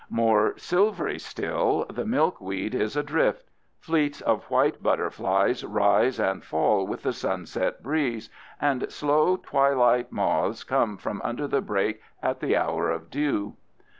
More silvery still, the milkweed is adrift. Fleets of white butterflies rise and fall with the sunset breeze, and slow, twilight moths come from under the brakes at the hour of dew.